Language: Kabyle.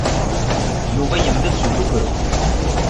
Yuba yebda-d s ukukru.